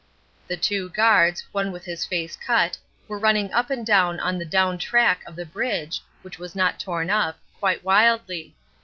The two guards (one with his face cut) were running up and down on the down track of the bridge (which was not torn up) quite wildly.